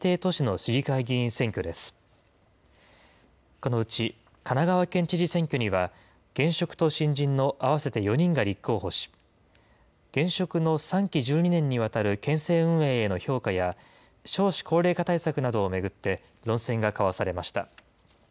このうち、神奈川県知事選挙には、現職と新人の合わせて４人が立候補し、現職の３期１２年にわたる県政運営への評価や、少子高齢化対策などを巡って論戦が交わされました。